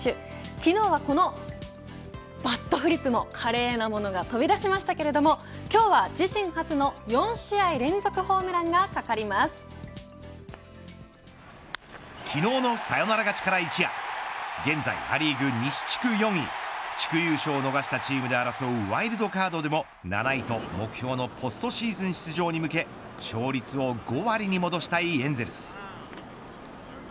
昨日はこのバットフリップも華麗なものが飛び出しましたけれども今日は自身初の４試合連続昨日のサヨナラ勝ちから一夜現在、ア・リーグ西地区４位地区優勝を逃したチームで争うワイルドカードでも７位と目標のポストシーズン出場に向け勝率を５割に戻したいエンゼルス。